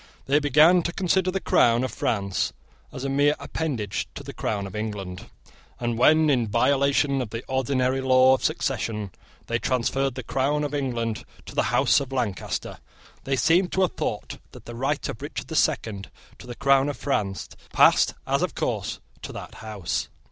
They began to consider the crown of France as a mere appendage to the crown of England; and, when in violation of the ordinary law of succession, they transferred the crown of England to the House of Lancaster, they seem to have thought that the right of Richard the Second to the crown of France passed, as of course, to that house.